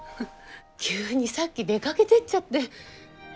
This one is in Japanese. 急にさっき出かけてっちゃって。